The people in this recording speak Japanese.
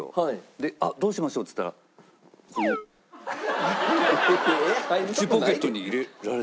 でどうしましょう？って言ったらこの内ポケットに入れられて。